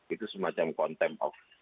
itu semacam konteks